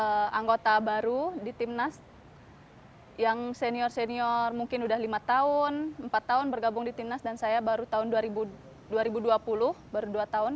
ada anggota baru di timnas yang senior senior mungkin udah lima tahun empat tahun bergabung di timnas dan saya baru tahun dua ribu dua puluh baru dua tahun